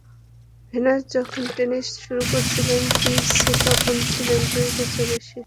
Venous যখন tennis শুরু করেছিলেন কিইস তখন ছিলেন দুই বছরের শিশু।